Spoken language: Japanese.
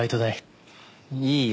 いいよ。